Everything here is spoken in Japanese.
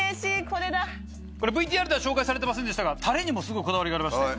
これＶＴＲでは紹介されてませんでしたがタレにもすごいこだわりがありまして。